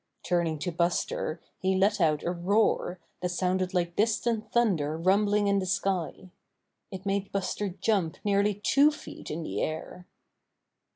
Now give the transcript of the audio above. Turning to Buster he let out a roar that sounded like distant thunder rumbling in the sky. It made Buster jump nearly two feet in the air.